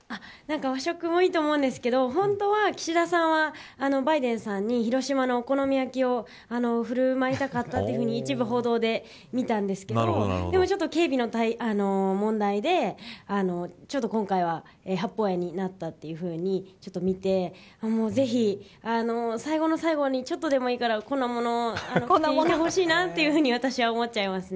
和食もいいと思うんですけど本当は岸田さんはバイデンさんに広島のお好み焼きを振る舞いたかったと一部、報道で見たんですけどでも、警備の問題でちょっと今回は八芳園になったというふうに見てぜひ、最後の最後にちょっとでもいいから粉ものも食べてほしいなと思います。